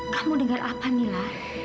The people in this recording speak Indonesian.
kamu dengar apa mila